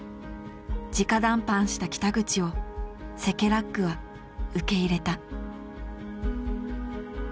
じか談判した北口をセケラックは受け入れた。